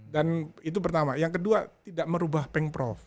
dan itu pertama yang kedua tidak merubah pengprov